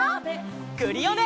クリオネ！